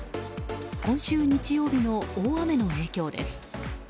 今週日曜日の大雨の影響です。